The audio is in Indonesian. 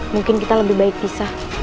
mungkin kita lebih baik bisa